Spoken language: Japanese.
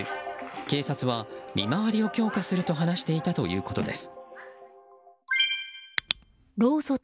警察は、見回りを強化すると話していたということです。